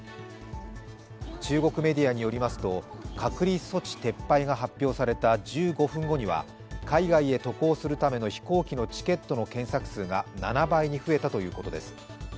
中国メディアによりますと隔離措置撤廃が発表された１５分後には海外へ渡航するための飛行機のチケットの検索数が７倍に増えたということです。